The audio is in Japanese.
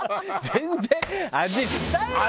全然味伝えろよ！